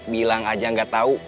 bilang aja gak tau